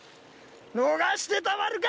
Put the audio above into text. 逃してたまるか！